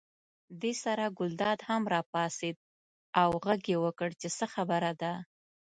دې سره ګلداد هم راپاڅېد او غږ یې وکړ چې څه خبره ده.